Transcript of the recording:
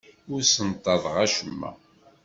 Ur ssenṭaḍeɣ acemma.